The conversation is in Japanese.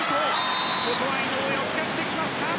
ここは井上を使ってきました。